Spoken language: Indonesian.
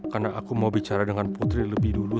karena aku mau bicara dengan putri lebih dulu